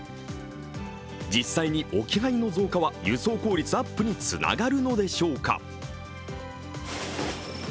実際に置き配の増加は輸送効率アップにつながるのでしょうか。